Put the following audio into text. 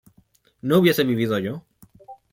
¿no hubiese vivido yo?